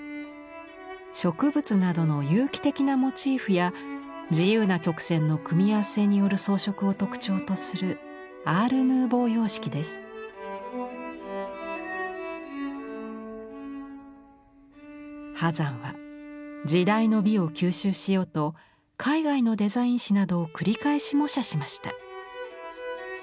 植物などの有機的なモチーフや自由な曲線の組み合わせによる装飾を特徴とする波山は時代の美を吸収しようと海外のデザイン誌などを繰り返し模写しました。